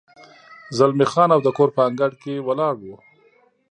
زلمی خان او د کور په انګړ کې ولاړ و.